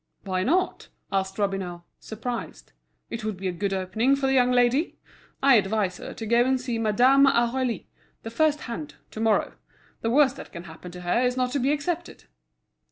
"Why not?" asked Robineau, surprised. "It would be a good opening for the young lady. I advise her to go and see Madame. Aurélie, the first hand, to morrow. The worst that can happen to her is not to be accepted."